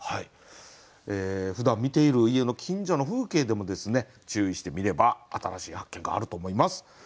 ふだん見ている家の近所の風景でもですね注意して見れば新しい発見があると思います。